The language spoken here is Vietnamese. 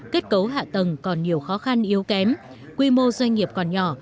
kết cấu hạ tầng còn nhiều khó khăn yếu kém quy mô doanh nghiệp còn nhỏ